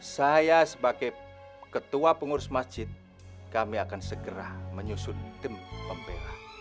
saya sebagai ketua pengurus masjid kami akan segera menyusun tim pembela